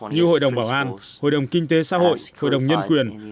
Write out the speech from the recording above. như hội đồng bảo an hội đồng kinh tế xã hội hội đồng nhân quyền